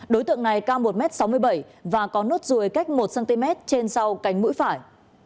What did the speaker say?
đối tượng này cao một m sáu mươi bảy và có nốt ruồi cách một cm trên sau cánh mũi phải